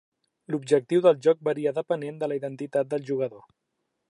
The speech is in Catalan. L'objectiu del joc varia depenent de la identitat del jugador.